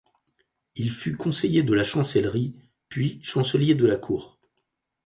Il fut conseiller de la chancellerie, puis chancelier de la cour.